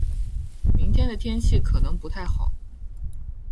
明天的天气可能不太好。